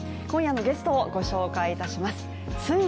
今夜のゲストをご紹介いたします